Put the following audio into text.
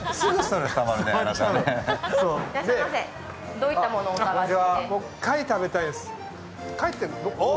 どういったものをお探しで？